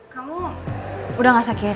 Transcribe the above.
kamu udah ga sakit